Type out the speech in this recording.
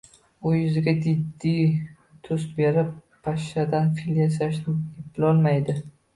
U yuziga jiddiy tus berib pashshadan fil yasashni eplolmaydi